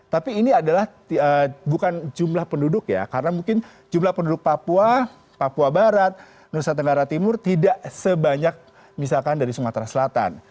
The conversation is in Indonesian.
tapi ini adalah bukan jumlah penduduk ya karena mungkin jumlah penduduk papua papua barat nusa tenggara timur tidak sebanyak misalkan dari sumatera selatan